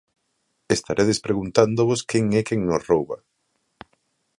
Estaredes preguntándovos quen é quen nos rouba?